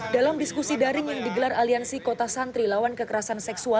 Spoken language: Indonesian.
dalam diskusi daring yang digelar aliansi kota santri lawan kekerasan seksual